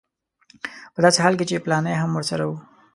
په داسې حال کې چې فلانی هم ورسره و.